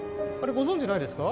ご存じないですか？